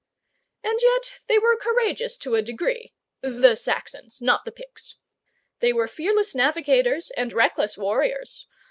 And yet they were courageous to a degree (the Saxons, not the pigs). They were fearless navigators and reckless warriors.